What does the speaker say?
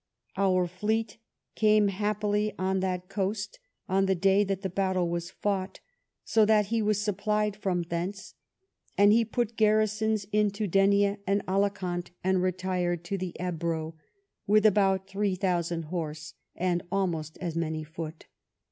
Our fleet came happily on that coast on the day that the battle was fought; so he was supplied from thence, and he put garrisons into Denia and Alicant, and retired to the Ebro, with about three thousand horse, and almost as many foot.